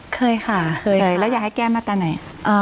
เคยค่ะเคยแล้วอยากให้แก้มาตราไหน